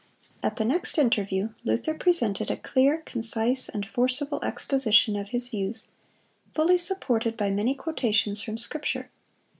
(182) At the next interview, Luther presented a clear, concise, and forcible exposition of his views, fully supported by many quotations from Scripture.